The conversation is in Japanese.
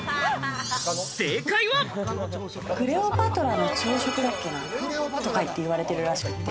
クレオパトラの朝食だっけな？って言われてるらしくて。